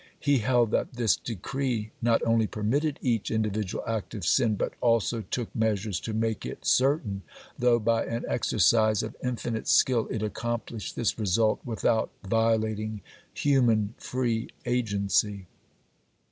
He held that this decree not only permitted each individual act of sin, but also took measures to make it certain, though, by an exercise of infinite skill, it accomplished this result without violating human free agency.